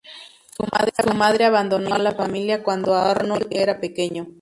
Su madre abandonó a la familia cuando Arnold era pequeño.